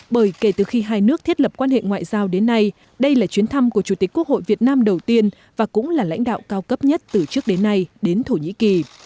bởi kể từ khi hai nước thiết lập quan hệ ngoại giao đến nay đây là chuyến thăm của chủ tịch quốc hội việt nam đầu tiên và cũng là lãnh đạo cao cấp nhất từ trước đến nay đến thổ nhĩ kỳ